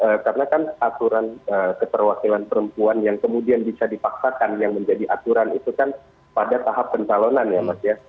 ya karena kan aturan keterwakilan perempuan yang kemudian bisa dipaksakan yang menjadi aturan itu kan pada tahap pencalonan ya mas ya